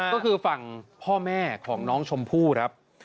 ก็คือฝั่งพ่อแม่ของน้องชมพู่ครับ